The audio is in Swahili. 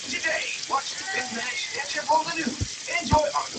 hata hivyo mashirika inayotetea haki za binadamu nchini burundi